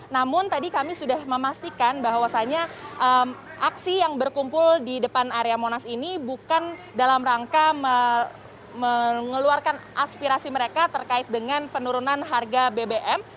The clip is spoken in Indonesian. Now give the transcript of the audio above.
namun tadi kami sudah memastikan bahwasannya aksi yang berkumpul di depan area monas ini bukan dalam rangka mengeluarkan aspirasi mereka terkait dengan penurunan harga bbm